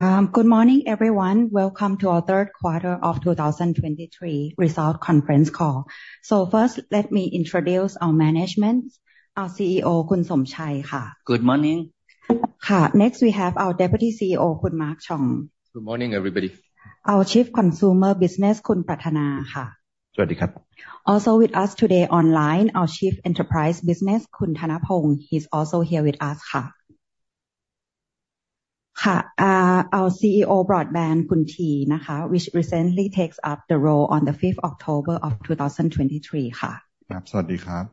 Good morning, everyone. Welcome to our Third Quarter of 2023 Results Conference Call. So first, let me introduce our management. Our CEO, Khun Somchai. Good morning. Next, we have our Deputy CEO, Khun Mark Chong. Good morning, everybody. Our Chief Consumer Business, Khun Pratthana. Sawasdee ka. Also with us today online, our Chief Enterprise Business, Khun Thanapong. He's also here with us, ka. Ka, our CEO Broadband, Khun Nattiya, which recently takes up the role on the 5th October 2023, ka. Sawasdee ka.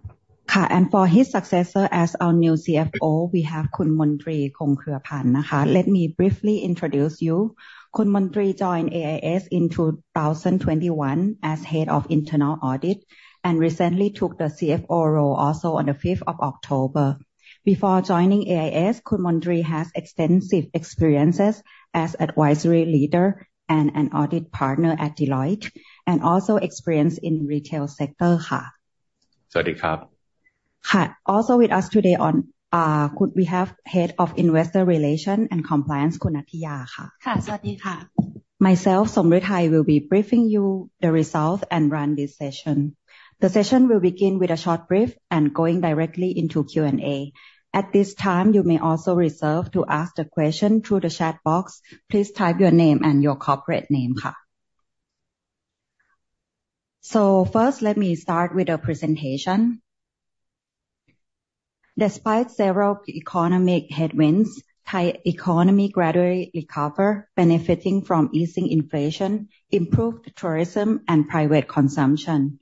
Ka. For his successor as our new CFO, we have Khun Montri Khongkruephan. Let me briefly introduce you. Khun Montri joined AIS in 2021 as Head of Internal Audit, and recently took the CFO role also on the 5th of October. Before joining AIS, Khun Montri has extensive experiences as Advisory Leader and an Audit Partner at Deloitte, and also experience in retail sector, Ka. Sawasdee ka. Ka. Also with us today on, Khun, we have Head of Investor Relations and Compliance, Khun Nattiya. Ka. Sawasdee ka. Myself, Somruetai, will be briefing you the results and run this session. The session will begin with a short brief and going directly into Q&A. At this time, you may also reserve to ask the question through the chat box. Please type your name and your corporate name, Ka. So first, let me start with a presentation. Despite several economic headwinds, Thai economy gradually recover, benefiting from easing inflation, improved tourism, and private consumption.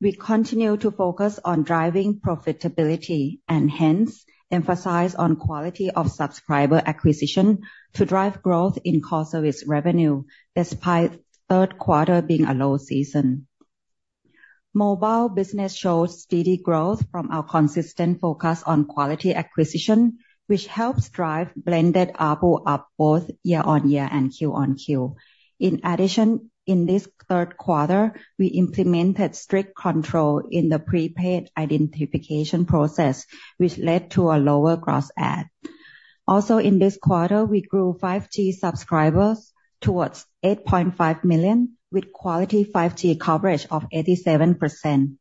We continue to focus on driving profitability and hence emphasize on quality of subscriber acquisition to drive growth in core service revenue, despite third quarter being a low season. Mobile business shows steady growth from our consistent focus on quality acquisition, which helps drive blended ARPU up both year-over-year and Q-on-Q. In addition, in this third quarter, we implemented strict control in the prepaid identification process, which led to a lower gross add. Also, in this quarter, we grew 5G subscribers towards 8.5 million, with quality 5G coverage of 87%.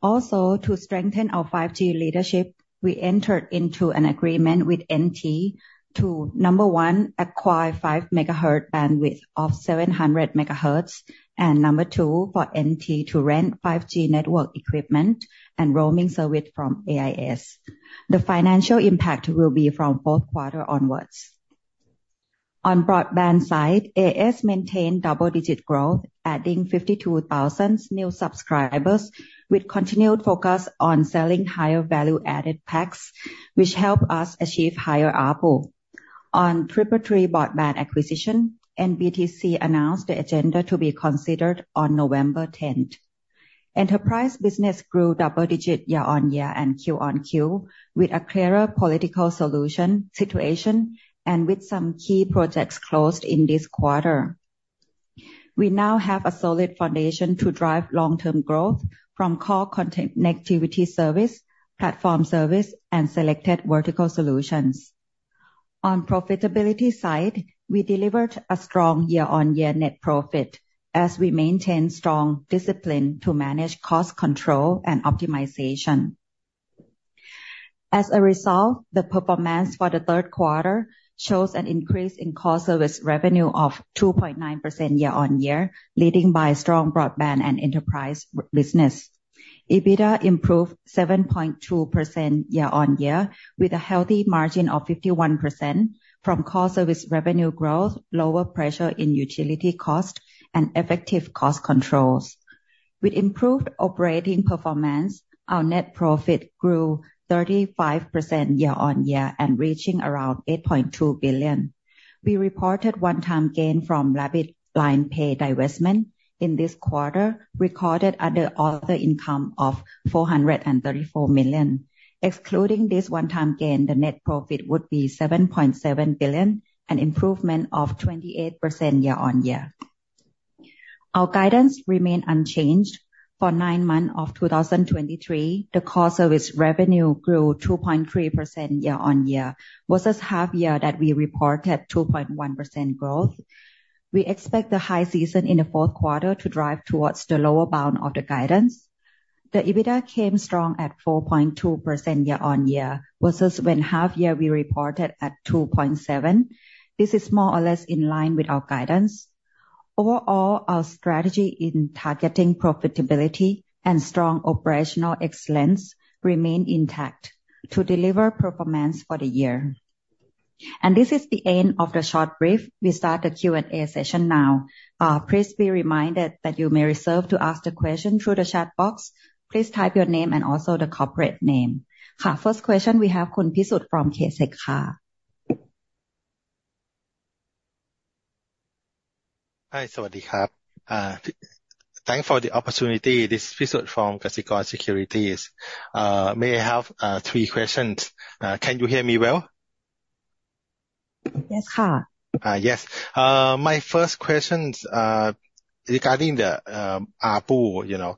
Also, to strengthen our 5G leadership, we entered into an agreement with NT to, number one, acquire 5 MHz bandwidth of 700 MHz, and number two, for NT to rent 5G network equipment and roaming service from AIS. The financial impact will be from fourth quarter onwards. On broadband side, AIS maintained double-digit growth, adding 52,000 new subscribers, with continued focus on selling higher value-added packs, which help us achieve higher ARPU. On 3BB broadband acquisition, NBTC announced the agenda to be considered on November tenth. Enterprise business grew double-digit year-on-year and Q-on-Q, with a clearer political solution situation and with some key projects closed in this quarter. We now have a solid foundation to drive long-term growth from core content connectivity service, platform service, and selected vertical solutions. On profitability side, we delivered a strong year-on-year net profit as we maintain strong discipline to manage cost control and optimization. As a result, the performance for the third quarter shows an increase in core service revenue of 2.9% year-on-year, leading by strong broadband and enterprise business. EBITDA improved 7.2% year-on-year, with a healthy margin of 51% from core service revenue growth, lower pressure in utility cost, and effective cost controls. With improved operating performance, our net profit grew 35% year-on-year and reaching around 8.2 billion. We reported one-time gain from Rabbit LINE Pay divestment in this quarter, recorded under other income of 434 million. Excluding this one-time gain, the net profit would be 7.7 billion, an improvement of 28% year-on-year. Our guidance remain unchanged. For 9 months of 2023, the core service revenue grew 2.3% year-on-year, versus half year that we reported 2.1% growth. We expect the high season in the fourth quarter to drive towards the lower bound of the guidance. The EBITDA came strong at 4.2% year-on-year, versus when half year we reported at 2.7. This is more or less in line with our guidance. Overall, our strategy in targeting profitability and strong operational excellence remain intact to deliver performance for the year. This is the end of the short brief. We start the Q&A session now. Please be reminded that you may reserve to ask the question through the chat box. Please type your name and also the corporate name. Ka, first question we have Khun Pisut from Kasikorn. Hi, Sawasdee ka. Thanks for the opportunity. This is Pisut from Kasikorn Securities. May I have three questions? Can you hear me well? Yes, Ka. Yes. My first questions. Regarding the ARPU, you know,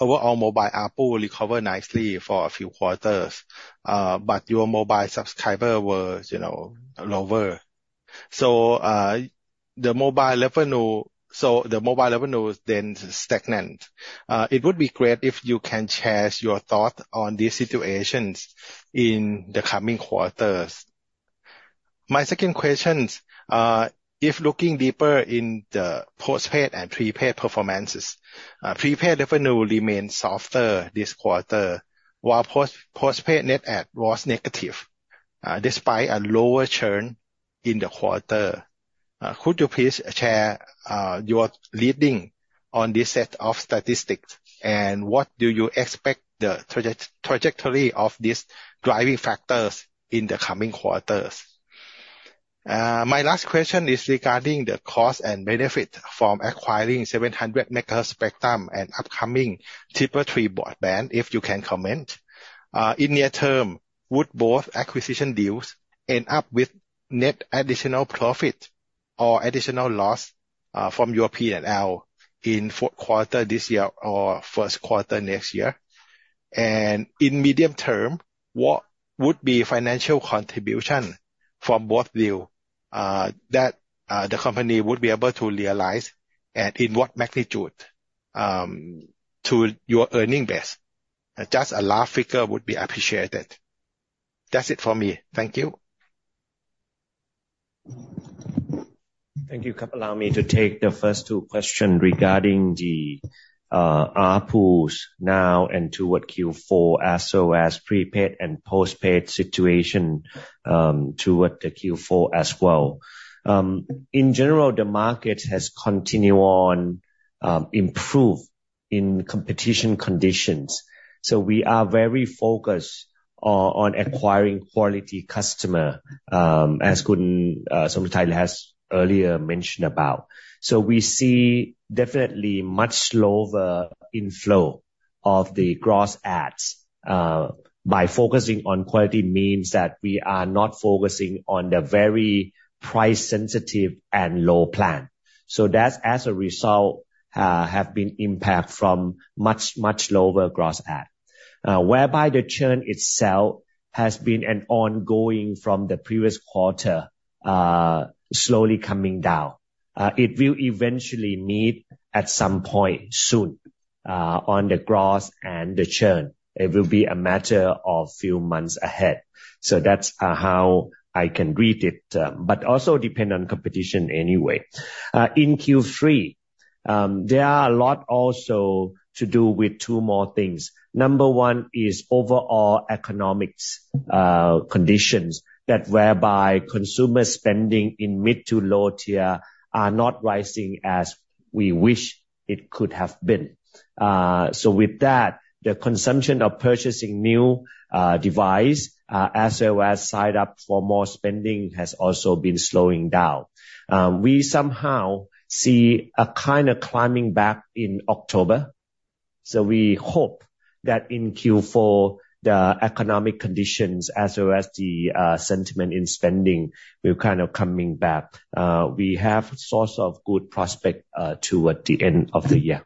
overall mobile ARPU recover nicely for a few quarters. But your mobile subscriber was, you know, lower. So, the mobile revenue is then stagnant. It would be great if you can share your thoughts on these situations in the coming quarters. My second question, if looking deeper in the postpaid and prepaid performances, prepaid revenue remains softer this quarter, while postpaid net add was negative, despite a lower churn in the quarter. Could you please share your reading on this set of statistics, and what do you expect the trajectory of these driving factors in the coming quarters? My last question is regarding the cost and benefit from acquiring 700 MHz spectrum and upcoming 3BB, if you can comment. In near term, would both acquisition deals end up with net additional profit or additional loss, from your P&L in fourth quarter this year or first quarter next year? In medium term, what would be financial contribution from both deal, that, the company would be able to realize, and in what magnitude, to your earning base? Just a rough figure would be appreciated. That's it for me. Thank you. Thank you. Allow me to take the first two questions regarding the ARPUs now and toward Q4, as well as prepaid and postpaid situation toward the Q4 as well. In general, the market has continued to improve in competition conditions, so we are very focused on acquiring quality customers, as Khun Somritai has earlier mentioned about. So we see definitely much lower inflow of the gross adds. By focusing on quality means that we are not focusing on the very price-sensitive and low plans. So that's, as a result, has been an impact from much lower gross adds. Whereby the churn itself has been ongoing from the previous quarter, slowly coming down. It will eventually meet at some point soon on the gross and the churn. It will be a matter of a few months ahead. So that's how I can read it, but also depend on competition anyway. In Q3, there are a lot also to do with two more things. Number one is overall economic conditions, whereby consumer spending in mid- to low-tier are not rising as we wish it could have been. So with that, the consumption of purchasing new device, as well as sign up for more spending, has also been slowing down. We somehow see a kind of climbing back in October, so we hope that in Q4, the economic conditions, as well as the sentiment in spending, will kind of coming back. We have source of good prospect toward the end of the year.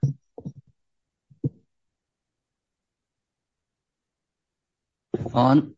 On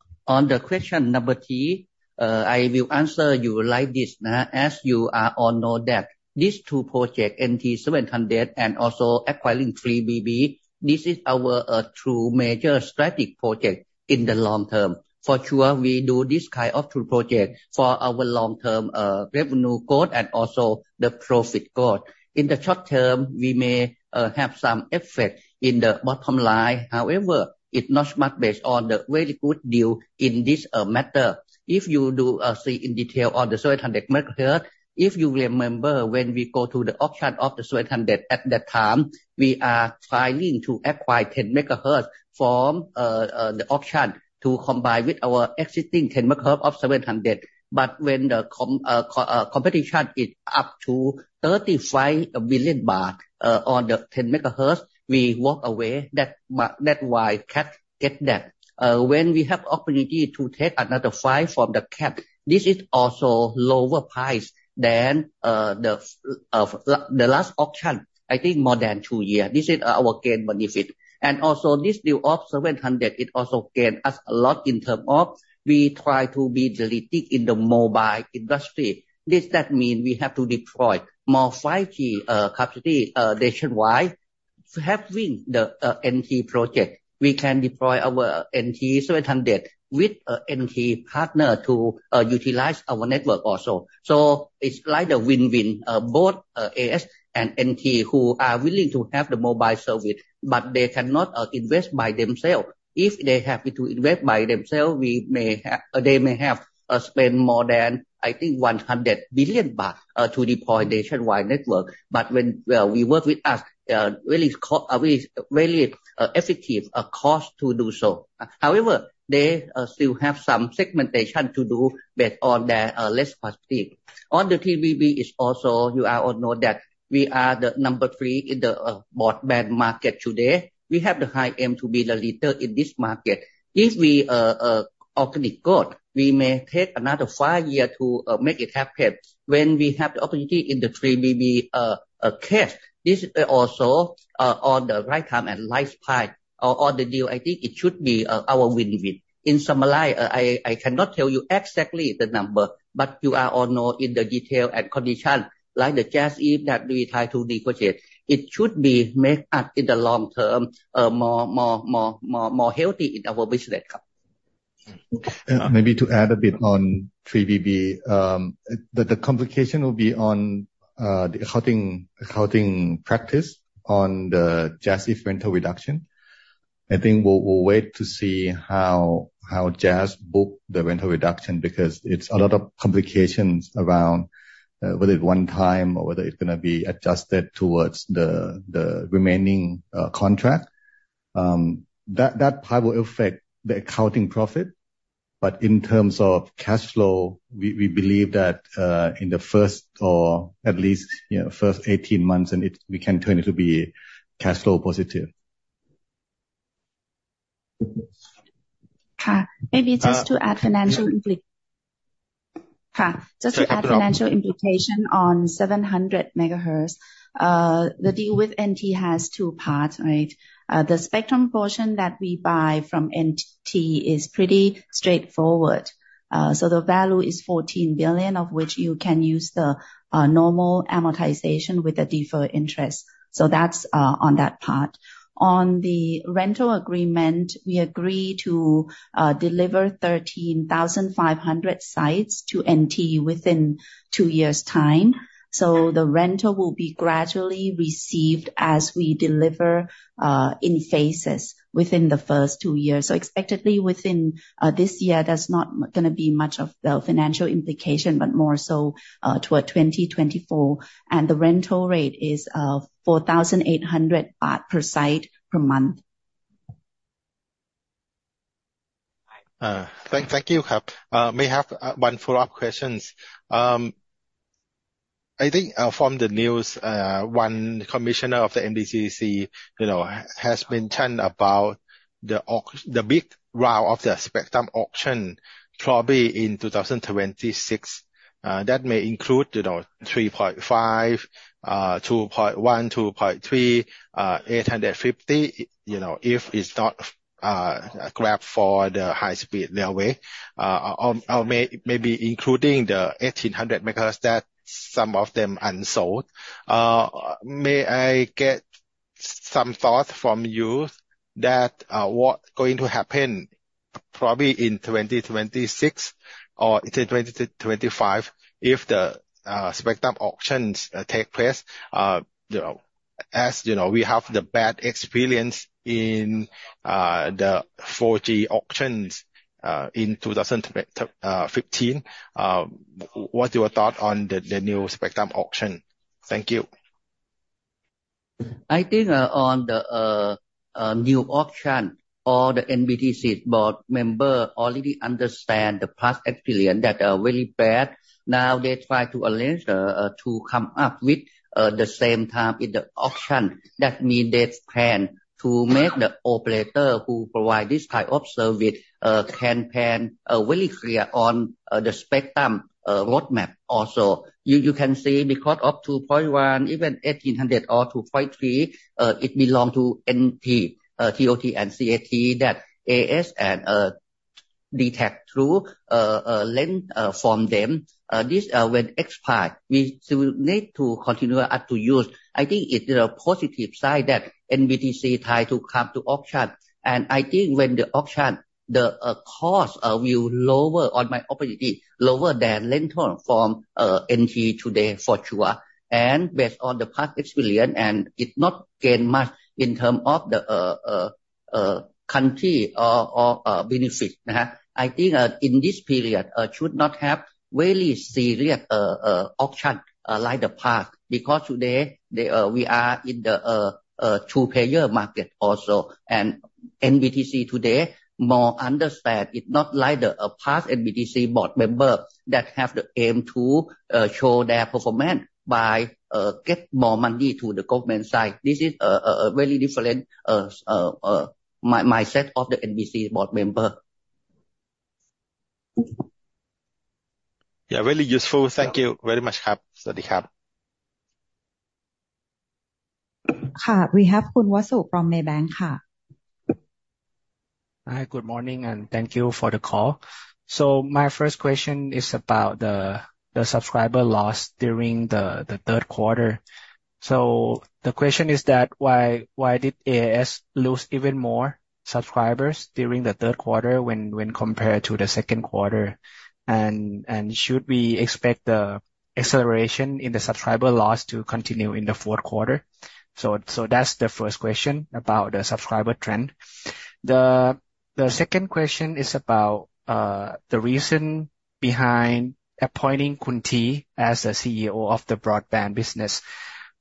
the question number 3, I will answer you like this. As you all know that these two project, NT 700 and also acquiring 3BB, this is our two major strategic project in the long term. For sure, we do this kind of two project for our long-term revenue growth and also the profit growth. In the short term, we may have some effect in the bottom line. However, it's not much based on the very good deal in this matter. If you do see in detail on the 700 MHz, if you remember, when we go to the auction of the 700, at that time, we are trying to acquire 10 MHz from the auction to combine with our existing 10 MHz of 700. But when the competition is up to 35 billion baht on the 10 MHz, we walk away. That why CAT get that. When we have opportunity to take another 5 from the CAT, this is also lower price than the last auction, I think more than 2 years. This is our gain benefit. And also, this deal of 700, it also gain us a lot in term of we try to be the leading in the mobile industry. This, that mean we have to deploy more 5G capacity nationwide. Having the NT project, we can deploy our NT 700 with a NT partner to utilize our network also. So it's like a win-win, both AIS and NT, who are willing to have the mobile service, but they cannot invest by themselves. If they have to invest by themselves, they may have spend more than, I think, 100 billion baht to deploy nationwide network. But when we work with us, very cost effective to do so. However, they still have some segmentation to do based on their less positive. On the 3BB is also, you all know that we are the number 3 in the broadband market today. We have the high aim to be the leader in this market. If we organic growth, we may take another 5 years to make it happen. When we have the opportunity in the 3BB, that this is also on the right time and right price. On the deal, I think it should be our win-win. In summary, I cannot tell you exactly the number, but you all know in the detail and condition, like the JASIF that we try to negotiate, it should make us, in the long term, more healthy in our business.... Maybe to add a bit on 3BB, the complication will be on the accounting practice on the JASIF rental reduction. I think we'll wait to see how JAS book the rental reduction, because it's a lot of complications around whether it's one time or whether it's going to be adjusted towards the remaining contract. That part will affect the accounting profit. But in terms of cash flow, we believe that in the first or at least, you know, first 18 months, we can turn it to be cash flow positive. Just to add financial implication on 700 MHz. The deal with NT has two parts, right? The spectrum portion that we buy from NT is pretty straightforward. So the value is 14 billion, of which you can use the normal amortization with a deferred interest. So that's on that part. On the rental agreement, we agree to deliver 13,500 sites to NT within two years' time. So the rental will be gradually received as we deliver in phases within the first two years. So expectedly within this year, there's not gonna be much of the financial implication, but more so toward 2024, and the rental rate is 4,800 baht per site per month. Thank you, Kap. May I have one follow-up question? I think from the news, one commissioner of the NBTC, you know, has mentioned about the big round of the spectrum auction, probably in 2026. That may include, you know, 3.5, 2.1, 2.3, 850. You know, if it's not grabbed for the high speed railway, or maybe including the 1800 MHz that some of them unsold. May I get some thoughts from you that what's going to happen probably in 2026 or in 2025 if the spectrum auctions take place? You know, as you know, we have the bad experience in the 4G auctions in 2015. What's your thought on the new spectrum auction? Thank you. I think on the new auction, all the NBTC board member already understand the past experience that are very bad. Now they try to arrange to come up with the same time in the auction. That means they plan to make the operator who provide this type of service can plan very clear on the spectrum roadmap also. You can see because of 2.1, even 1800 or 2.3, it belong to NT, TOT, and CAT, that AIS and DTAC through lend from them. This when expire, we still need to continue to use. I think it's a positive side that NBTC try to come to auction, and I think when the auction, the cost will lower in my opinion, lower than rental from NT today for sure. And based on the past experience, and it not gain much in term of the country or benefit. I think in this period should not have very serious auction like the past, because today we are in the two player market also. And NBTC today more understand it's not like the past NBTC board member that have the aim to show their performance by get more money to the government side. This is a very different mindset of the NBTC board member. Yeah, very useful. Thank you very much, Kap. Ka. We have Khun Wasu from Maybank, Ka. Hi, good morning, and thank you for the call. So my first question is about the subscriber loss during the third quarter. So the question is that why did AIS lose even more subscribers during the third quarter when compared to the second quarter? And should we expect the acceleration in the subscriber loss to continue in the fourth quarter? So that's the first question about the subscriber trend. The second question is about the reason behind appointing Khun Nattiya as the CEO of the broadband business.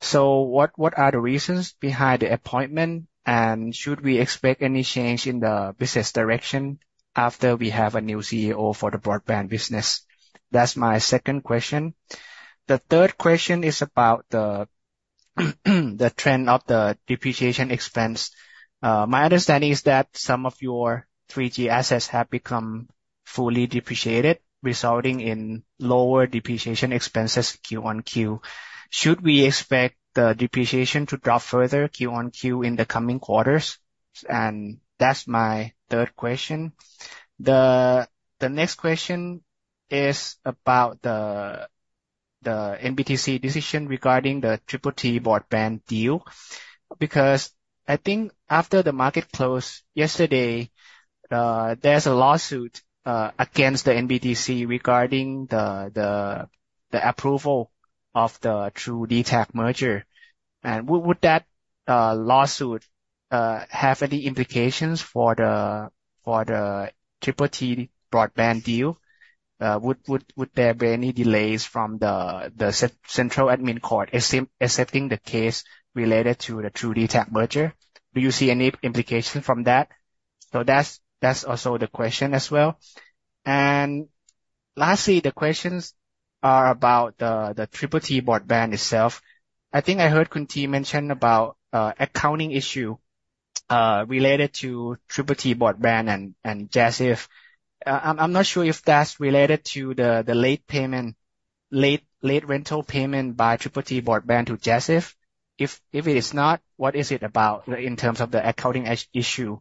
So what are the reasons behind the appointment? And should we expect any change in the business direction after we have a new CEO for the broadband business? That's my second question. The third question is about the trend of the depreciation expense. My understanding is that some of your 3G assets have become fully depreciated, resulting in lower depreciation expenses Q-on-Q. Should we expect the depreciation to drop further Q-on-Q in the coming quarters? And that's my third question. The next question is about the NBTC decision regarding the Triple T Broadband deal? Because I think after the market closed yesterday, there's a lawsuit against the NBTC regarding the approval of the True-DTAC merger. And would that lawsuit have any implications for the Triple T Broadband deal? Would there be any delays from the Central Administrative Court accepting the case related to the True-DTAC merger? Do you see any implication from that? So that's also the question as well. And lastly, the questions are about the Triple T Broadband itself. I think I heard Montri mention about accounting issue related to Triple T Broadband and JASIF. I'm not sure if that's related to the late payment, late rental payment by Triple T Broadband to JASIF. If it is not, what is it about in terms of the accounting issue?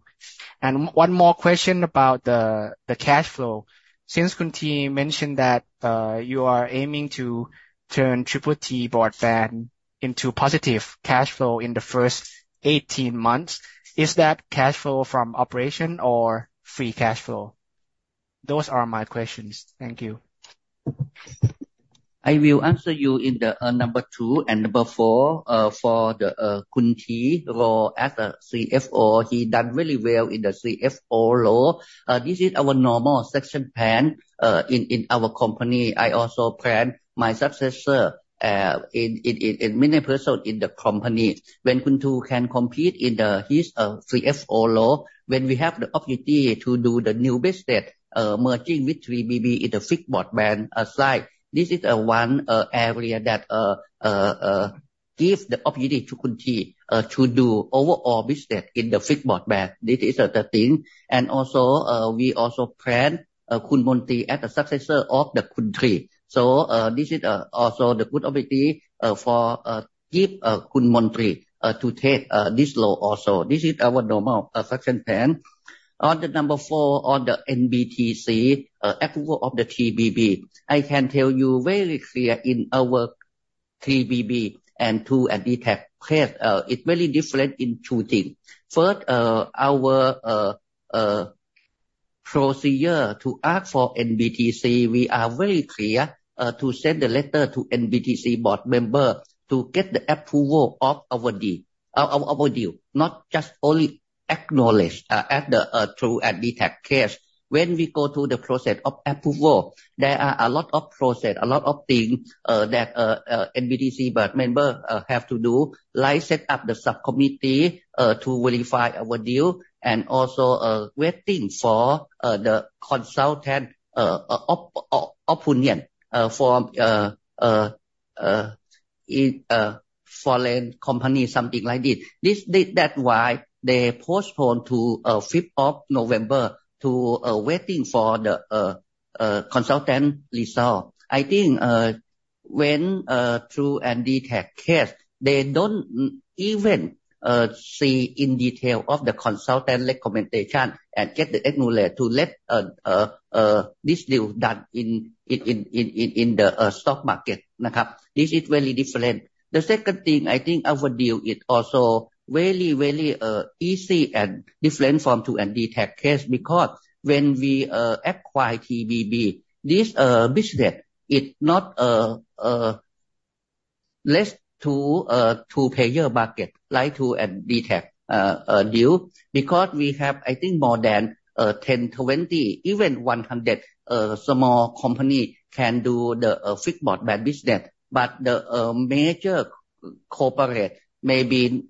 And one more question about the cash flow. Since Montri mentioned that you are aiming to turn Triple T Broadband into positive cash flow in the first 18 months, is that cash flow from operation or free cash flow? Those are my questions. Thank you. I will answer you in the number two and number four for the Khun Montri role as a CFO. He done really well in the CFO role. This is our normal succession plan in our company. I also plan my successor in many persons in the company. When Khun Montri can complete in his CFO role, when we have the opportunity to do the new business, merging with 3BB in the fixed broadband side, this is one area that gives the opportunity to Khun Montri to do overall business in the fixed broadband. This is the thing. And also, we also plan Khun Montri as a successor of the company. So this is also the good opportunity for give Khun Montri to take this role also. This is our normal section plan. On number four, on the NBTC approval of the TTTBB, I can tell you very clear in our TTTBB and True and DTAC case, it's very different in two things. First, our procedure to ask for NBTC, we are very clear to send the letter to NBTC board member to get the approval of our deal, of our deal, not just only acknowledge at the True and DTAC case. When we go to the process of approval, there are a lot of process, a lot of things that NBTC board member have to do, like set up the subcommittee to verify our deal and also waiting for the consultant opinion from foreign company, something like this. That's why they postpone to fifth of November to waiting for the consultant result. I think, when True and DTAC case, they don't even see in detail of the consultant recommendation and get the acknowledgment to let this deal done in the stock market. This is very different. The second thing, I think our deal is also very, very easy and different from True and DTAC case, because when we acquire TBB, this business is not less to two-player market like True and DTAC deal, because we have, I think more than 10, 20, even 100 small company can do the fixed broadband business. But the major corporate may be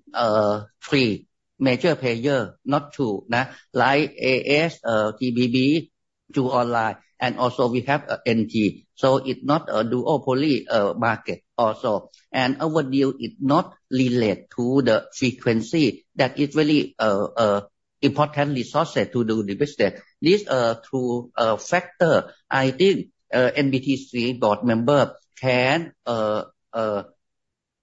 three major player, not two, na, like AIS, TBB, True Online, and also we have NT. So it's not a duopoly market also. And our deal is not related to the frequency that is really important resource to do the business. This two factor, I think, NBTC board member can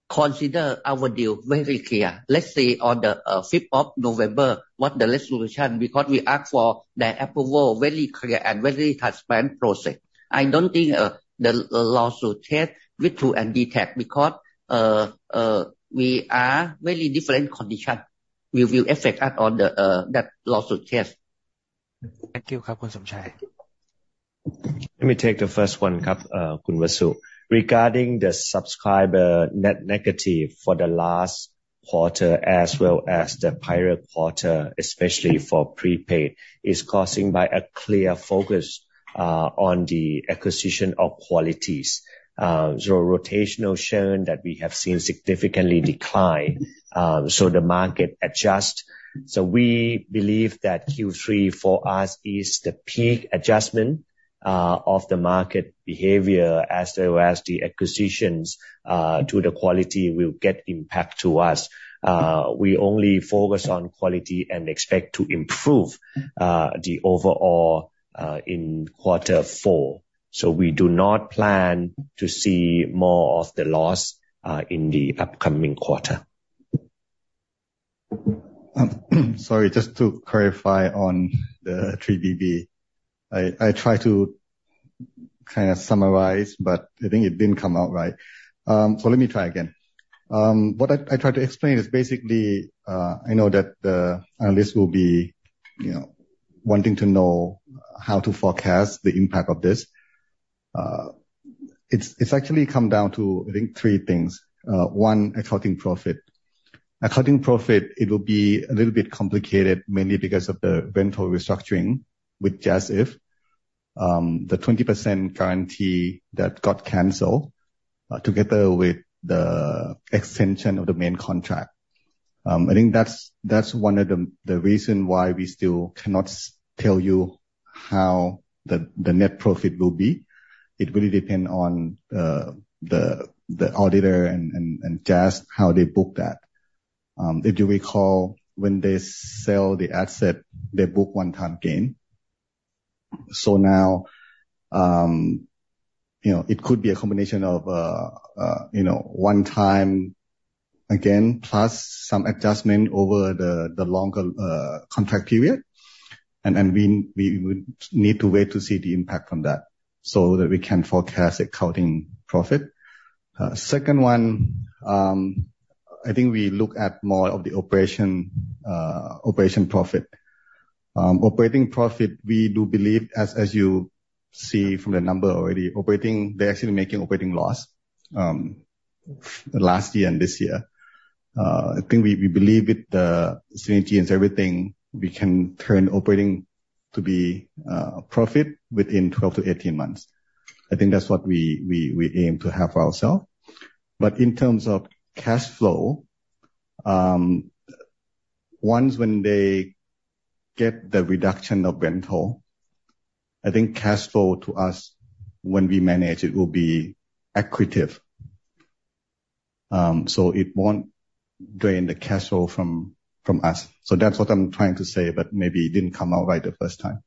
consider our deal very clear. Let's see on the 5th of November, what the resolution, because we ask for the approval, very clear and very transparent process. I don't think the lawsuit case with True and DTAC because we are very different condition. We will affect us on that lawsuit case. Thank you, Somchai. Let me take the first one, Khun Wasu. Regarding the subscriber net negative for the last quarter, as well as the prior quarter, especially for prepaid, is causing by a clear focus on the acquisition of qualities. So rotational churn that we have seen significantly decline, so the market adjust. So we believe that Q3 for us is the peak adjustment of the market behavior, as well as the acquisitions to the quality will get impact to us. We only focus on quality and expect to improve the overall in quarter four. So we do not plan to see more of the loss in the upcoming quarter. Sorry, just to clarify on the 3BB. I tried to kind of summarize, but I think it didn't come out right. So let me try again. What I tried to explain is basically, I know that the analysts will be, you know, wanting to know how to forecast the impact of this. It's actually come down to, I think, three things. One, accounting profit. Accounting profit, it will be a little bit complicated, mainly because of the rental restructuring with JASIF. The 20% guarantee that got canceled, together with the extension of the main contract. I think that's one of the reasons why we still cannot tell you how the net profit will be. It will depend on the auditor and JASIF, how they book that. If you recall, when they sell the asset, they book one-time gain. So now, you know, it could be a combination of, you know, one-time gain, plus some adjustment over the longer contract period. And then we, we would need to wait to see the impact from that, so that we can forecast accounting profit. Second one, I think we look at more of the operation operation profit. Operating profit, we do believe, as you see from the number already, operating, they're actually making operating loss, last year and this year. I think we, we believe with the synergies and everything, we can turn operating to be profit within 12-18 months. I think that's what we, we, we aim to have ourselves. But in terms of cash flow, once when they get the reduction of rental, I think cash flow to us, when we manage it, will be accretive. So it won't drain the cash flow from us. So that's what I'm trying to say, but maybe it didn't come out right the first time.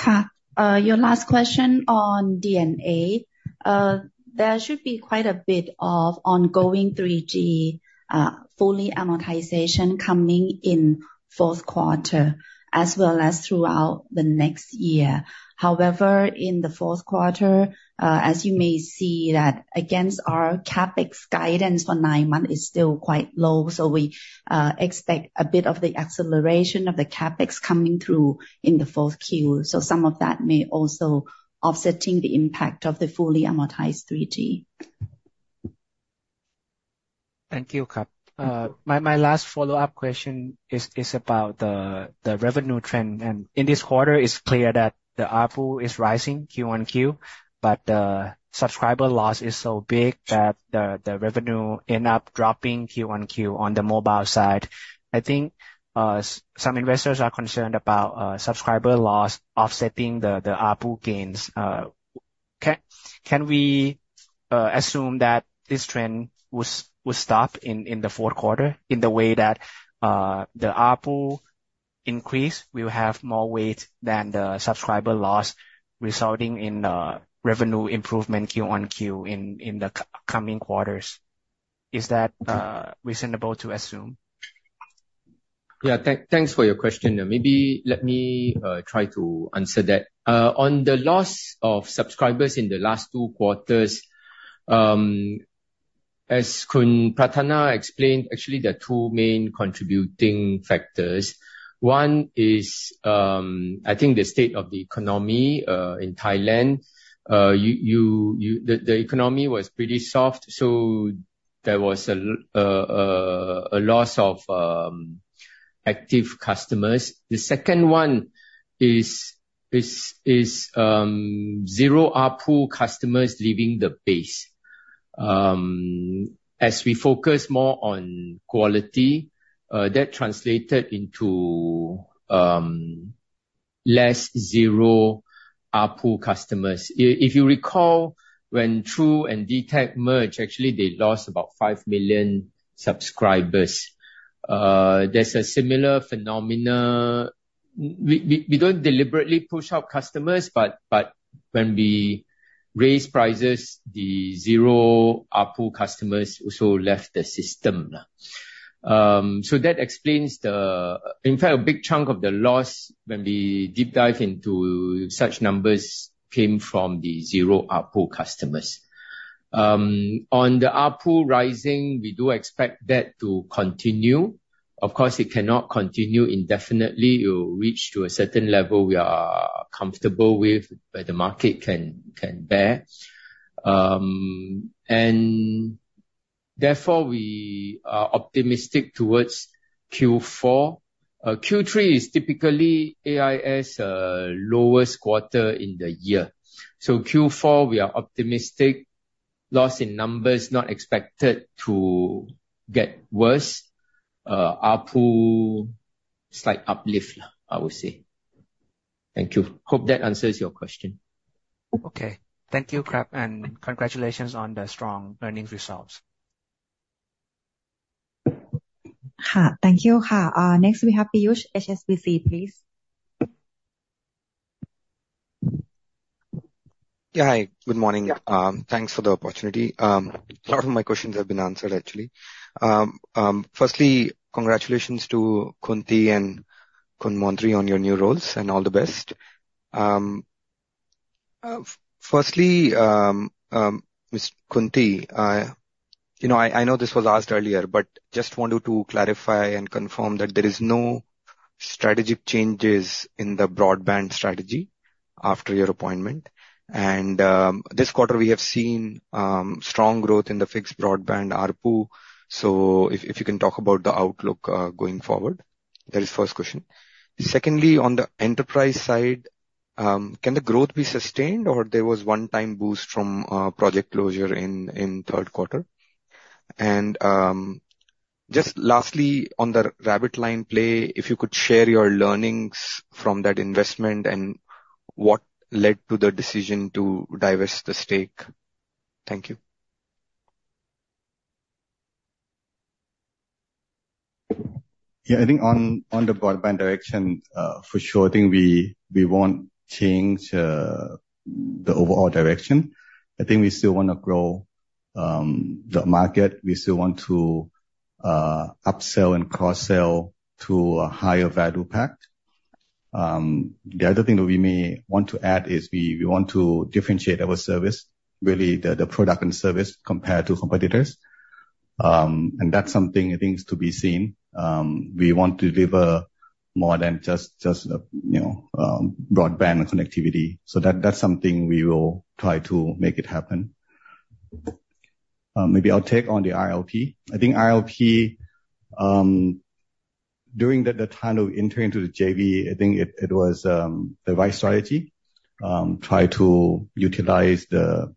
Okay. Your last question on D&A. There should be quite a bit of ongoing 3G full amortization coming in fourth quarter, as well as throughout the next year. However, in the fourth quarter, as you may see, that against our CapEx guidance for nine months is still quite low, so we expect a bit of the acceleration of the CapEx coming through in the fourth Q. So some of that may also offsetting the impact of the fully amortized 3G. Thank you, Ka. My last follow-up question is about the revenue trend. And in this quarter, it's clear that the ARPU is rising Q-on-Q, but the subscriber loss is so big that the revenue end up dropping Q-on-Q on the mobile side. I think some investors are concerned about subscriber loss offsetting the ARPU gains. Can we assume that this trend will stop in the fourth quarter, in the way that the ARPU increase will have more weight than the subscriber loss, resulting in a revenue improvement Q-on-Q in the coming quarters? Is that reasonable to assume? Yeah. Thanks for your question. Maybe let me try to answer that. On the loss of subscribers in the last two quarters, as Khun Pratthana explained, actually, there are two main contributing factors. One is, I think the state of the economy in Thailand. The economy was pretty soft, so there was a loss of active customers. The second one is zero ARPU customers leaving the base. As we focus more on quality, that translated into less zero ARPU customers. If you recall, when True and DTAC merged, actually, they lost about 5 million subscribers. There's a similar phenomena. We don't deliberately push out customers, but when we raise prices, the zero ARPU customers also left the system. So that explains the... In fact, a big chunk of the loss, when we deep dive into such numbers, came from the zero ARPU customers. On the ARPU rising, we do expect that to continue. Of course, it cannot continue indefinitely. It will reach to a certain level we are comfortable with, where the market can, can bear. And therefore, we are optimistic towards Q4. Q3 is typically AIS, lowest quarter in the year. So Q4, we are optimistic. Loss in numbers not expected to get worse. ARPU, slight uplift, I would say. Thank you. Hope that answers your question. Okay. Thank you, Ka, and congratulations on the strong earnings results. Ka. Thank you, Ka. Next, we have Piyush, HSBC, please. Yeah, hi. Good morning. Thanks for the opportunity. A lot of my questions have been answered, actually. Firstly, congratulations to Khun Nattiya and Khun Montri on your new roles, and all the best. Firstly, Ms. Khun Nattiya, you know, I know this was asked earlier, but just wanted to clarify and confirm that there is no strategic changes in the broadband strategy after your appointment. This quarter, we have seen strong growth in the fixed broadband ARPU. So if you can talk about the outlook going forward. That is first question. Secondly, on the enterprise side, can the growth be sustained, or there was one-time boost from project closure in third quarter? Just lastly, on the Rabbit LINE Pay, if you could share your learnings from that investment and what led to the decision to divest the stake? Thank you. Yeah, I think on the broadband direction, for sure, I think we won't change the overall direction. I think we still want to grow the market. We still want to upsell and cross-sell to a higher value pack. The other thing that we may want to add is we want to differentiate our service, really the product and service, compared to competitors. And that's something, I think, is to be seen. We want to deliver more than just you know broadband and connectivity. So that's something we will try to make it happen. Maybe I'll take on the ILP. I think ILP during the time of entering into the JV, I think it was the right strategy. Try to utilize the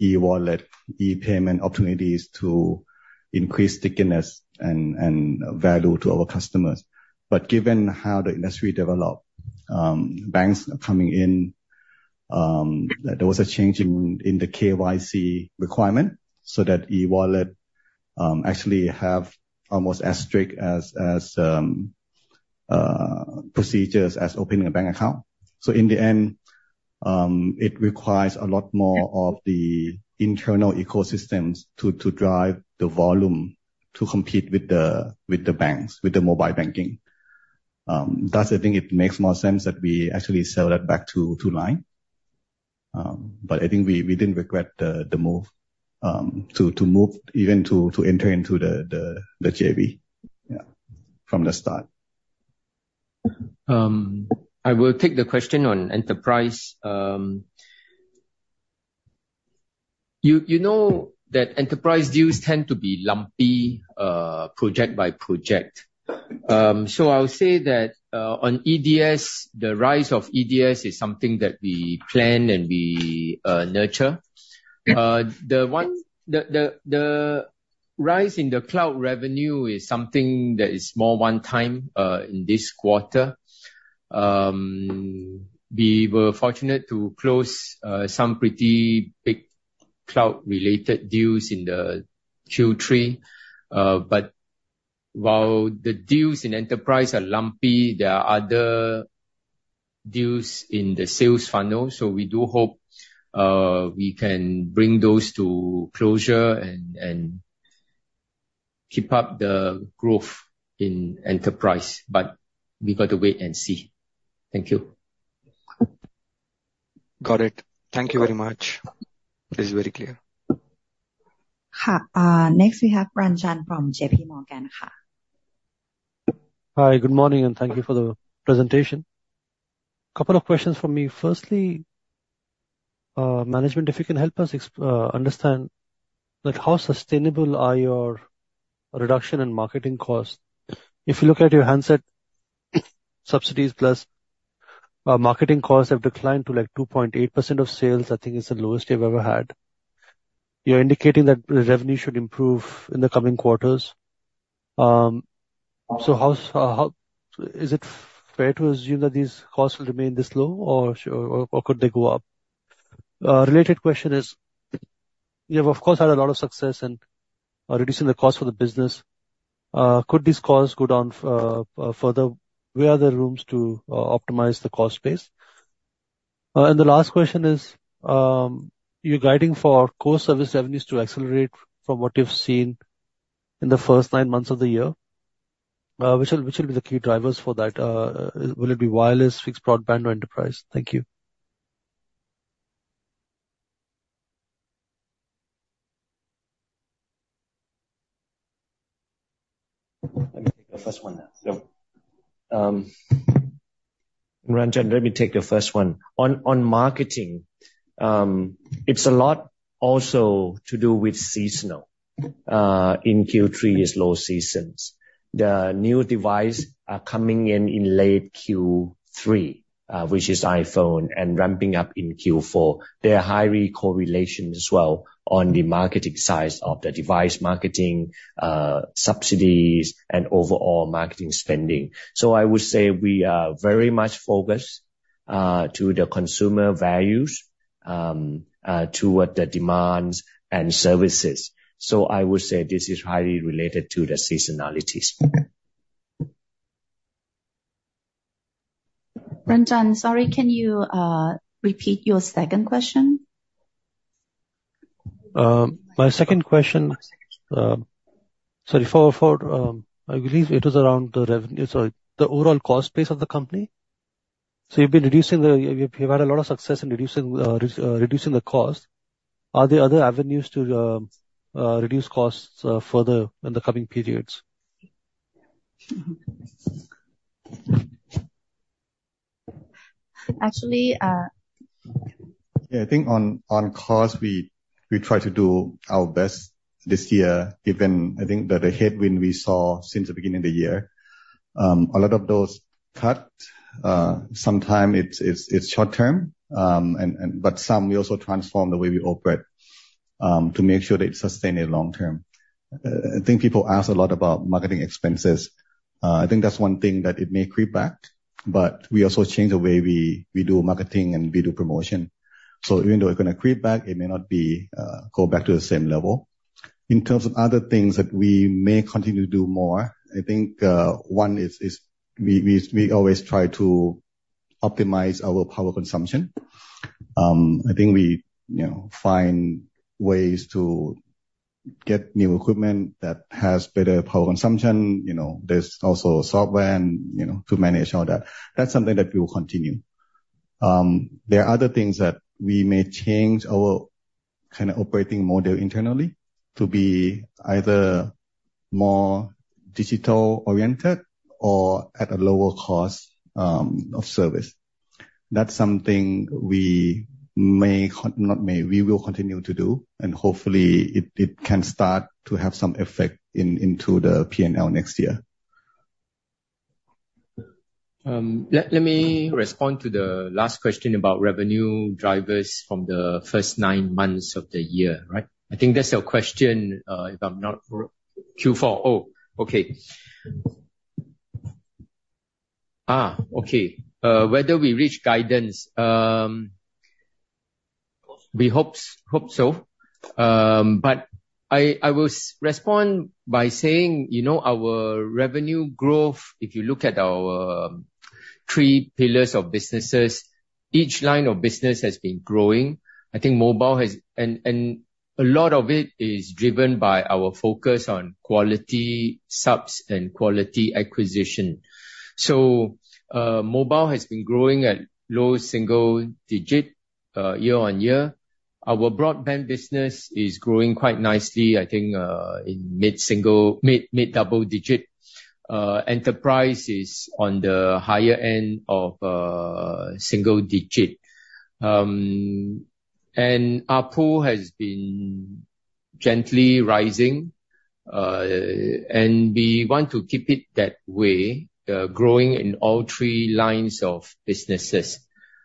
e-wallet, e-payment opportunities to increase stickiness and value to our customers. But given how the industry developed, banks are coming in, there was a change in the KYC requirement, so that e-wallet actually have almost as strict as procedures as opening a bank account. So in the end, it requires a lot more of the internal ecosystems to drive the volume to compete with the banks, with the mobile banking. Thus, I think it makes more sense that we actually sell that back to LINE. But I think we didn't regret the move to move even to enter into the JV, yeah, from the start. I will take the question on enterprise. You know that enterprise deals tend to be lumpy, project by project. So I'll say that, on EDS, the rise of EDS is something that we plan and we nurture. The rise in the cloud revenue is something that is more one time, in this quarter. We were fortunate to close some pretty big cloud-related deals in the Q3. But while the deals in enterprise are lumpy, there are other deals in the sales funnel, so we do hope we can bring those to closure and keep up the growth in enterprise. But we've got to wait and see. Thank you. Got it. Thank you very much. It is very clear. Next, we have Ranjan from J.P. Morgan, Ka. Hi, good morning, and thank you for the presentation. Couple of questions from me. Firstly, management, if you can help us understand, like, how sustainable are your reduction in marketing costs? If you look at your handset subsidies plus marketing costs have declined to, like, 2.8% of sales. I think it's the lowest you've ever had. You're indicating that the revenue should improve in the coming quarters. So how's Is it fair to assume that these costs will remain this low, or could they go up? Related question is, you have, of course, had a lot of success in reducing the cost of the business. Could these costs go down further? Where are there rooms to optimize the cost base? The last question is, you're guiding for core service revenues to accelerate from what you've seen in the first nine months of the year. Which will, which will be the key drivers for that? Will it be wireless, fixed broadband, or enterprise? Thank you. Let me take the first one. Ranjan, let me take the first one. On marketing, it's a lot also to do with seasonal. In Q3 is low seasons. The new device are coming in late Q3, which is iPhone, and ramping up in Q4. There are highly correlation as well on the marketing side of the device, marketing, subsidies, and overall marketing spending. So I would say we are very much focused to the consumer values toward the demands and services. So I would say this is highly related to the seasonalities. Ranjan, sorry, can you repeat your second question? My second question, sorry, for, I believe it was around the revenue. Sorry, the overall cost base of the company. So you've been reducing the, you've had a lot of success in reducing the cost. Are there other avenues to reduce costs further in the coming periods? Actually, uh Yeah, I think on cost, we try to do our best this year, given that the headwind we saw since the beginning of the year. A lot of those cuts, sometimes it's short term, but some we also transform the way we operate to make sure that it's sustained long term. I think people ask a lot about marketing expenses. I think that's one thing that it may creep back, but we also change the way we do marketing and we do promotion. So even though it's gonna creep back, it may not be go back to the same level. In terms of other things that we may continue to do more, I think one is we always try to optimize our power consumption. I think we, you know, find ways to get new equipment that has better power consumption. You know, there's also software and, you know, to manage all that. That's something that we will continue. There are other things that we may change our kind of operating model internally to be either more digital-oriented or at a lower cost of service. That's something we will continue to do, and hopefully it, it can start to have some effect into the P&L next year. Let me respond to the last question about revenue drivers from the first nine months of the year, right? I think that's your question, if I'm not wrong. Q4. Oh, okay. Ah! Okay. Whether we reach guidance, we hope so. But I will respond by saying, you know, our revenue growth, if you look at our three pillars of businesses, each line of business has been growing. I think mobile has, And a lot of it is driven by our focus on quality subs and quality acquisition. So, mobile has been growing at low single digit year-on-year. Our broadband business is growing quite nicely, I think, in mid-single, mid-double digit. Enterprise is on the higher end of single digit. ARPU has been gently rising, and we want to keep it that way, growing in all three lines of businesses.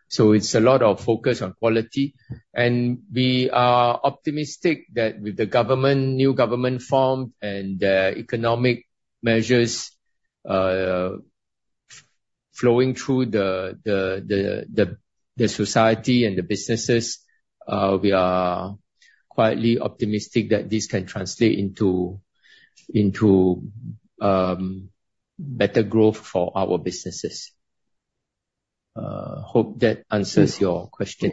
So it's a lot of focus on quality, and we are optimistic that with the government, new government formed and the economic measures, flowing through the society and the businesses, we are quietly optimistic that this can translate into better growth for our businesses. Hope that answers your question.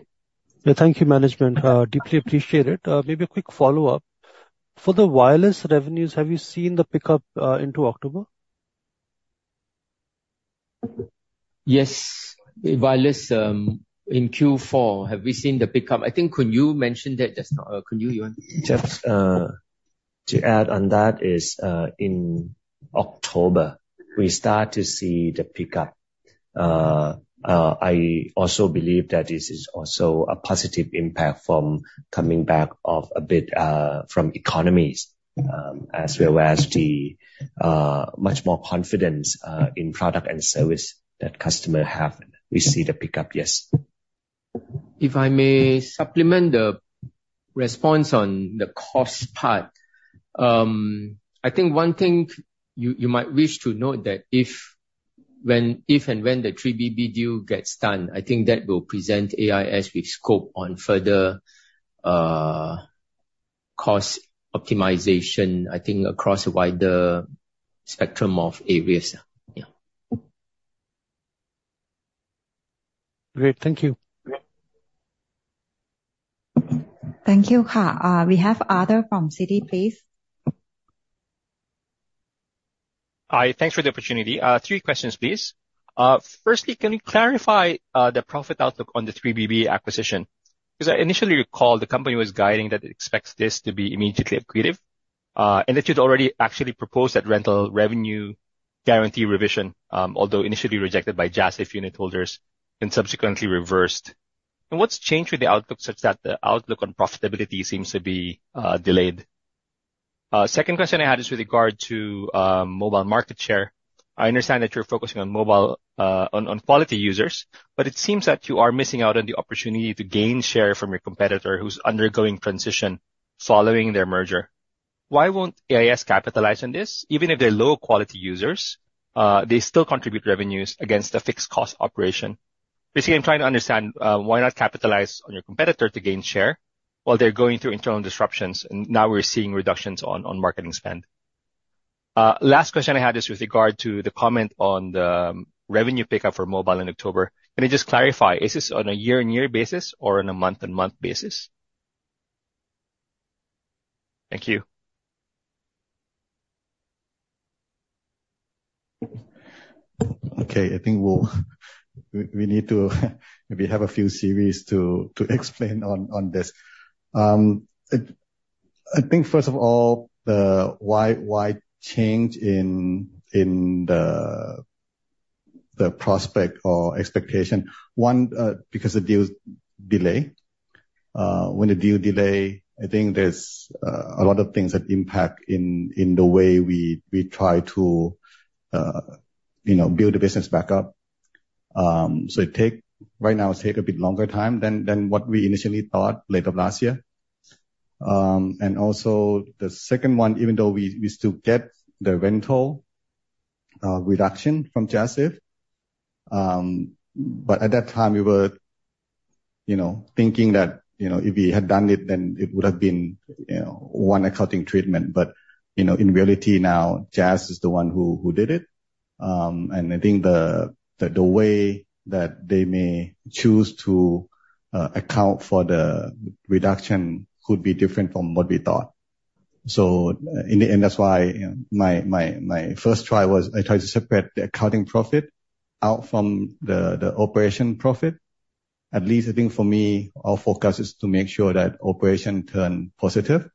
Yeah. Thank you, management. Deeply appreciate it. Maybe a quick follow-up. For the wireless revenues, have you seen the pickup into October? Yes. Wireless, in Q4, have we seen the pickup? I think mentioned that just now. You want- Just to add on that, in October, we start to see the pickup. I also believe that this is also a positive impact from coming back off a bit from economies, as well as the much more confidence in product and service that customer have. We see the pickup, yes. If I may supplement the response on the cost part. I think one thing you might wish to note that if, when, if and when the 3BB deal gets done, I think that will present AIS with scope on further, cost optimization, I think, across a wider spectrum of areas. Yeah. Great. Thank you. Thank you. We have Arthur from Citi, please. Hi, thanks for the opportunity. Three questions, please. Firstly, can you clarify the profit outlook on the 3BB acquisition? Because I initially recall the company was guiding that it expects this to be immediately accretive, and it had already actually proposed that rental revenue guarantee revision, although initially rejected by JASIF unitholders and subsequently reversed. And what's changed with the outlook, such that the outlook on profitability seems to be delayed? Second question I had is with regard to mobile market share. I understand that you're focusing on mobile, on quality users, but it seems that you are missing out on the opportunity to gain share from your competitor, who's undergoing transition following their merger. Why won't AIS capitalize on this? Even if they're low-quality users, they still contribute revenues against a fixed cost operation. Basically, I'm trying to understand why not capitalize on your competitor to gain share while they're going through internal disruptions, and now we're seeing reductions on, on marketing spend? Last question I had is with regard to the comment on the revenue pickup for mobile in October. Can you just clarify, is this on a year-on-year basis or on a month-on-month basis? Thank you. Okay. I think we'll need to maybe have a few series to explain on this. I think first of all, the why change in the prospect or expectation? One, because the deal's delay. When the deal delay, I think there's a lot of things that impact in the way we try to you know build the business back up. So it take a bit longer time than what we initially thought late of last year. And also the second one, even though we still get the rental reduction from JASIF, but at that time, we were you know thinking that you know if we had done it, then it would have been you know one accounting treatment. You know, in reality now, JAS is the one who did it. I think the way that they may choose to account for the reduction could be different from what we thought. So in the end, that's why my first try was I tried to separate the accounting profit out from the operation profit. At least I think for me, our focus is to make sure that operation turn positive,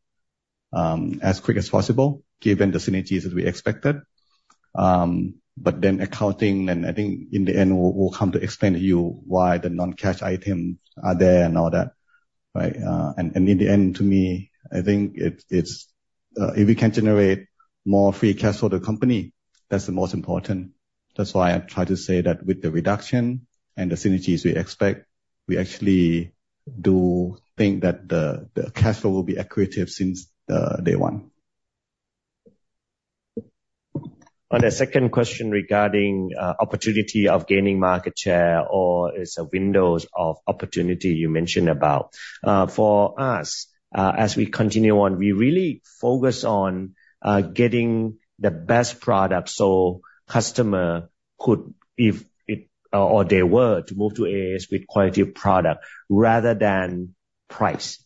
as quick as possible, given the synergies that we expected. But then accounting, and I think in the end, we'll come to explain to you why the non-cash items are there and all that, right? In the end, to me, I think it's if we can generate more free cash for the company, that's the most important. That's why I try to say that with the reduction and the synergies we expect, we actually do think that the cash flow will be accretive since day one. On the second question regarding opportunity of gaining market share or is a window of opportunity you mentioned about. For us, as we continue on, we really focus on getting the best product, so customer could, if it or they were to move to AIS with quality of product rather than price.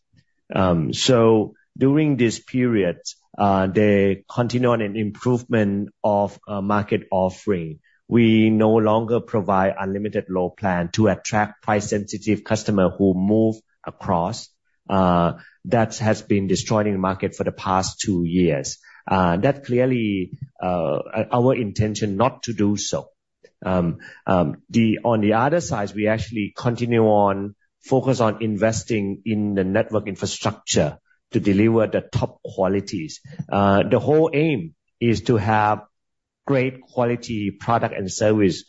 So during this period, they continue on an improvement of market offering. We no longer provide unlimited low plan to attract price-sensitive customer who move across. That has been destroyed in the market for the past two years. That clearly, our intention not to do so. On the other side, we actually continue on, focus on investing in the network infrastructure to deliver the top qualities. The whole aim is to have great quality product and service,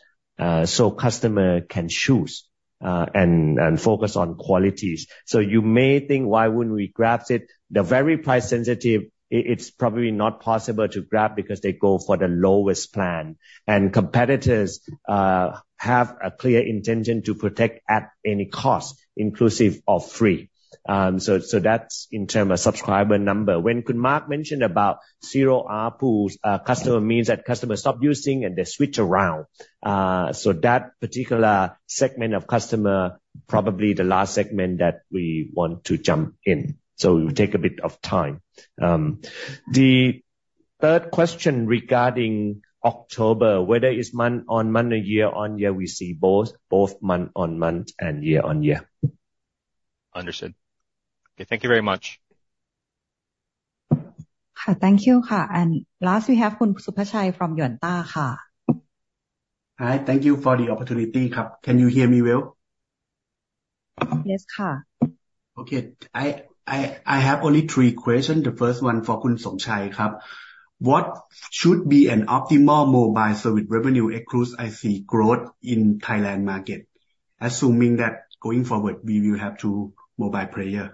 so customer can choose, and focus on qualities. So you may think, why wouldn't we grab it? The very price sensitive, it's probably not possible to grab because they go for the lowest plan. And competitors have a clear intention to protect at any cost, inclusive of free. So that's in term of subscriber number. When Khun Mark mentioned about zero ARPU, customer means that customers stop using and they switch around. So that particular segment of customer, probably the last segment that we want to jump in, so it will take a bit of time. The third question regarding October, whether it's month-on-month or year-on-year, we see both month-on-month and year-on-year. Understood. Okay, thank you very much. Thank you. Last, we have Khun Supachai from Yuanta. Hi, thank you for the opportunity. Can you hear me well? Yes. Okay. I have only three questions. The first one for Khun Somchai. What should be an optimal mobile service revenue excluding IC growth in the Thailand market, assuming that going forward, we will have two mobile players?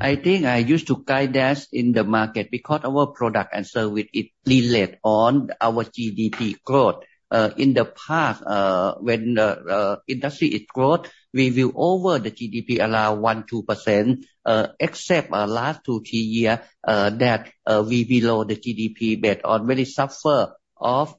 I think I used to guide that in the market because our product and service, it relate on our GDP growth. In the past, when the industry is growth, we will over the GDP allow 1-2%, except last 2-3 year, that we below the GDP based on really suffer of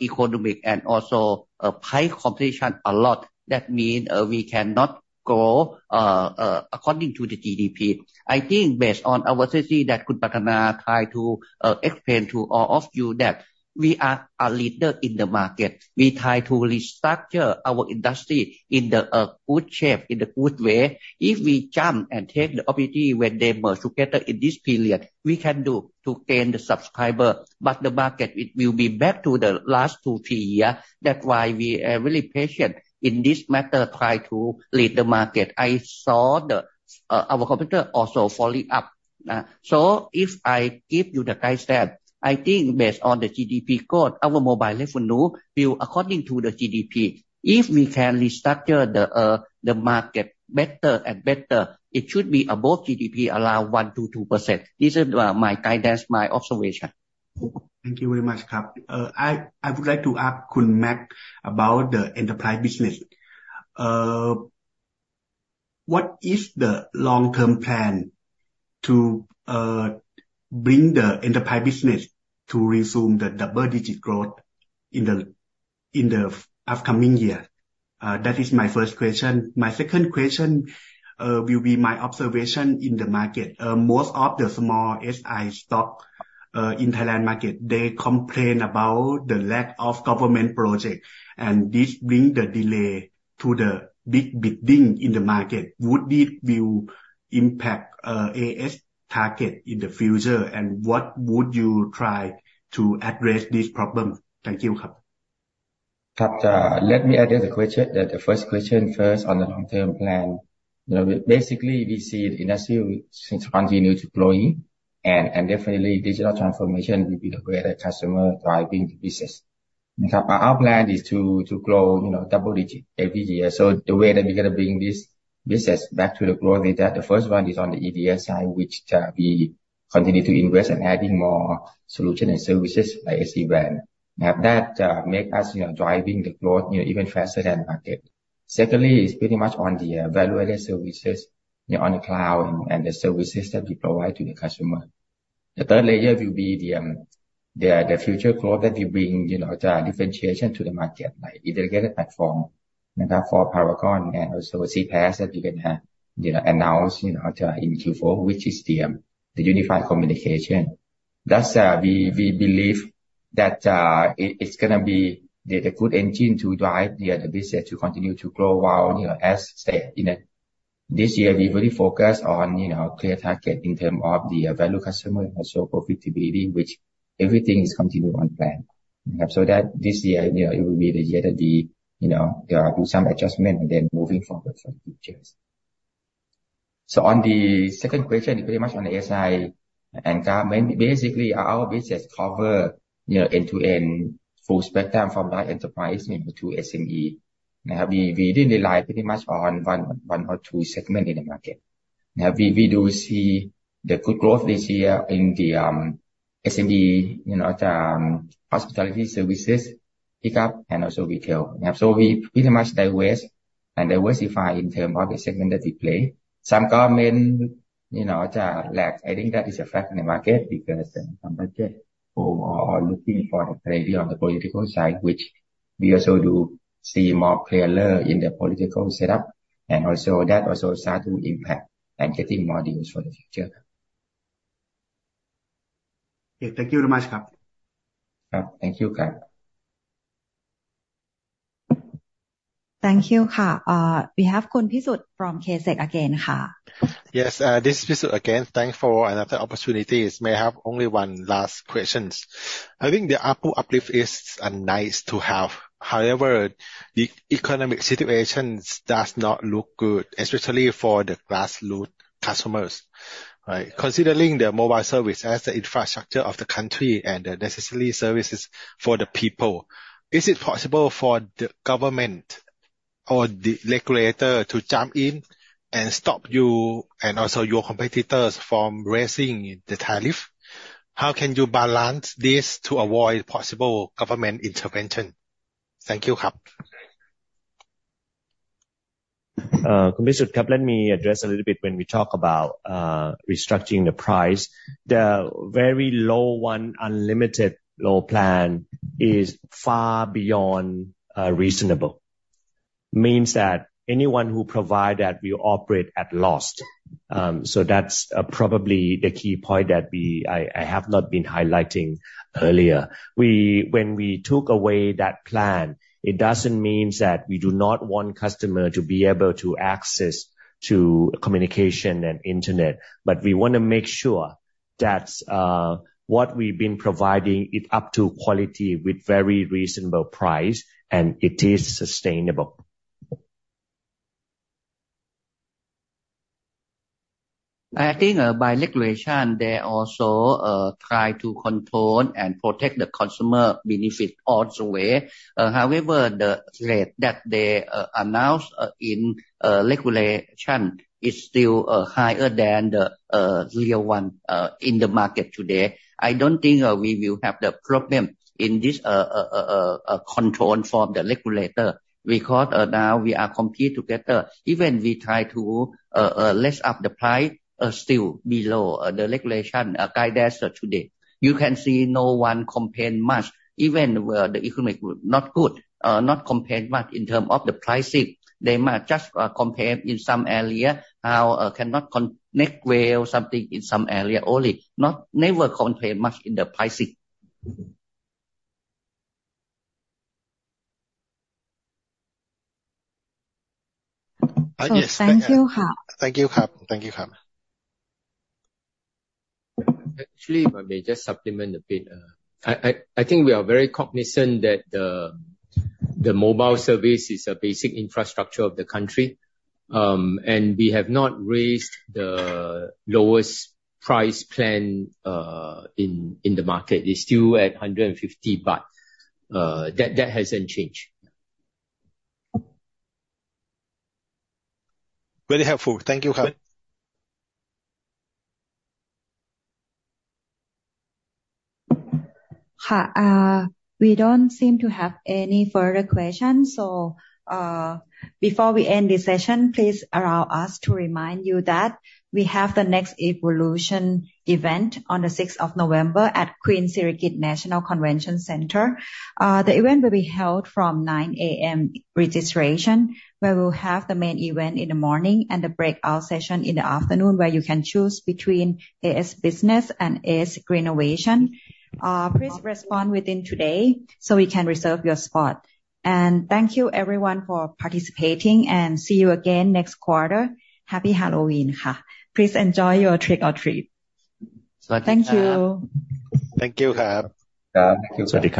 economic and also high competition a lot. That mean we cannot grow according to the GDP. I think based on our strategy that Khun Pratthana try to explain to all of you that we are a leader in the market. We try to restructure our industry in the good shape, in the good way. If we jump and take the opportunity when they merge together in this period, we can do to gain the subscriber, but the market, it will be back to the last two, three year. That's why we are really patient in this matter, try to lead the market. I saw the, our competitor also following up. So if I give you the guidance, I think based on the GDP growth, our mobile revenue will according to the GDP. If we can restructure the, the market better and better, it should be above GDP, around 1%-2%. This is, my guidance, my observation. Thank you very much, Khun. I would like to ask Khun Mark about the enterprise business. What is the long-term plan to bring the enterprise business to resume the double-digit growth in the upcoming year? That is my first question. My second question will be my observation in the market. Most of the small SI stock in Thailand market, they complain about the lack of government project, and this bring the delay to the big bidding in the market. Would this will impact AIS target in the future, and what would you try to address this problem? Thank you, Khun. Khun, let me address the question, the first question first on the long-term plan. You know, basically, we see the industry will continue to growing, and definitely digital transformation will be the greater customer driving the business. But our plan is to grow, you know, double digit every year. So the way that we're going to bring this business back to the growth is that the first one is on the EDS side, which we continue to invest in adding more solution and services by SC Brand. Now, that make us, you know, driving the growth, you know, even faster than market. Secondly, it's pretty much on the value-added services, you know, on the cloud and the services that we provide to the customer. The third layer will be the future growth that we bring, you know, differentiation to the market, like integrated platform, you know, for Paragon and also CPaaS that we can have, you know, announce, you know, in Q4, which is the unified communication. Thus, we believe that it's gonna be the good engine to drive the business to continue to grow well, you know, as stated. You know, this year we really focus on, you know, clear target in term of the value customer and also profitability, which everything is continued on plan. So that this year, you know, it will be the year that the, you know, do some adjustment and then moving forward for the futures. So on the second question, pretty much on the SI and government, basically, our business cover, you know, end-to-end full spectrum from large enterprise to SME. We didn't rely pretty much on one or two segment in the market. Now, we do see the good growth this year in the SME, you know, the hospitality services pick up and also retail. So we pretty much diverse and diversify in term of the segment that we play. Some government, you know, lack. I think that is a fact in the market because the market who are looking for the clarity on the political side, which we also do see more clearer in the political setup, and also that also start to impact and getting more deals for the future. Okay, thank you very much, Cup. Khun. Thank you, Khun. Thank you, Cup. We have from Kasikorn again. Yes, this is again. Thanks for another opportunity. May I have only one last questions. I think the Apple uplift is nice to have. However, the economic situations does not look good, especially for the grassroots customers, right? Considering the mobile service as the infrastructure of the country and the necessary services for the people, is it possible for the government or the regulator to jump in and stop you and also your competitors from raising the tariff? How can you balance this to avoid possible government intervention? Thank you, Khun. Let me address a little bit when we talk about restructuring the price. The very low one, unlimited low plan is far beyond reasonable. Means that anyone who provide that will operate at loss. So that's probably the key point that we have not been highlighting earlier. When we took away that plan, it doesn't mean that we do not want customer to be able to access to communication and internet, but we want to make sure that what we've been providing is up to quality with very reasonable price, and it is sustainable. I think, by regulation, they also try to control and protect the consumer benefit all the way. However, the rate that they announce in regulation is still higher than the real one in the market today. I don't think we will have the problem in this control from the regulator, because now we are compete together. Even we try to raise up the price, still below the regulation guidance today. You can see no one complain much, even where the economic not good, not complain much in term of the pricing. They might just complain in some area, how cannot connect well, something in some area only. Never complain much in the pricing. Thank you, Cup. Thank you, Cup. Thank you, Cup. Actually, if I may just supplement a bit. I think we are very cognizant that the mobile service is a basic infrastructure of the country, and we have not raised the lowest price plan in the market. It's still at 150 baht. That hasn't changed. Very helpful. Thank you, Cup. We don't seem to have any further questions. So, before we end this session, please allow us to remind you that we have the Next Evolution event on the sixth of November at Queen Sirikit National Convention Center. The event will be held from 9:00 A.M., registration, where we'll have the main event in the morning and a breakout session in the afternoon, where you can choose between AIS Business and AIS Greenovation. Please respond within today, so we can reserve your spot. Thank you everyone for participating and see you again next quarter. Happy Halloween, Cup. Please enjoy your trick or treat. Thank you. Thank you, Cup. Thank you.